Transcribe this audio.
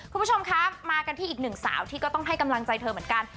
คุณผู้ชมคะมากันที่อีกหนึ่งสาวที่ก็ต้องให้กำลังใจเธอเหมือนกัน